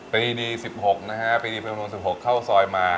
ปีดี๑๖นะฮะปีดี๑๖เข้าซอยมา